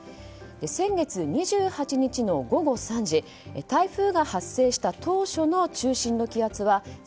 先月２８日の午後３時台風が発生した当初の中心の気圧は１００４